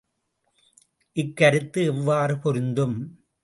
இக் கருத்து எவ்வாறு பொருந்தும்?